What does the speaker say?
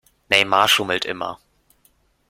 Neymar schummelt immer.